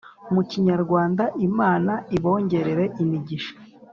mukinyarwanda, imana ibongerere Imigisha